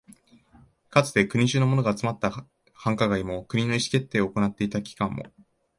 かつて国中のものが集まった繁華街も、国の意思決定を行っていた機関も、